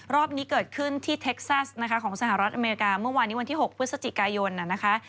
รอบนี้เกิดขึ้นที่เท็กซัสนะคะของสหรัฐอเมริกาเมื่อวานนี้วันที่๖พฤศจิกายนนะคะ